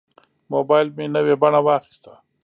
موبایل مې نوې بڼه واخیسته.